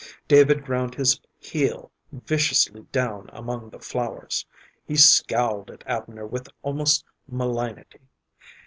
David ground his heel viciously down among the flowers. He scowled at Abner with almost malignity.